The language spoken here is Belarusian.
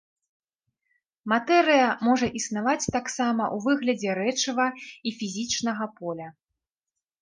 Матэрыя можа існаваць таксама ў выглядзе рэчыва і фізічнага поля.